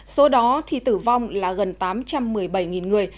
số đó thì tử vong là gần tám trăm một mươi bảy người